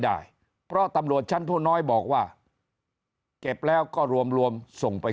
ได้เพราะตำรวจชั้นผู้น้อยบอกว่าเก็บแล้วก็รวมรวมส่งไป